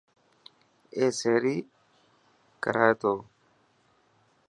اي سهري ڪرائي تو.